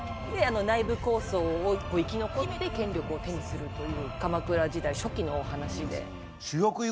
内部抗争を生き残って権力を手にするという鎌倉時代初期のお話で。